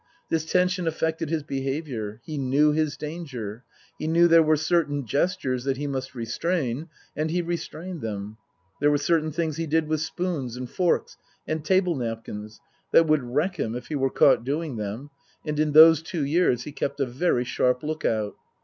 This tension affected his be haviour. He knew his danger. He knew there were certain gestures that he must restrain, and he restrained them ; there were certain things he did with spoons and forks and table napkins that would wreck him if he were caught doing them, and in those two years he kept a very sharp look out.